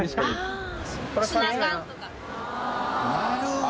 なるほど！